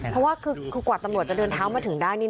เพราะว่าคือกว่าตำรวจจะเดินเท้ามาถึงได้นี่